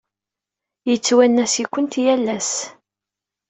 Yettwanas-ikent yal ass.